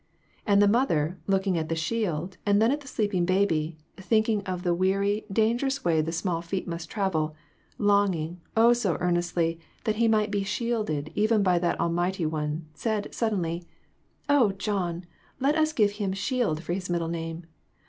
And the mother, looking at the shield and then at the sleeping baby, thinking of the weary, danger ous way the small feet must travel, longing, oh, so earnestly, that he might be shielded even by that Almighty One, said, suddenly "Oh, John, let us give him ' Shield' for his middle name.